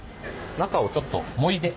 中をちょっともいで。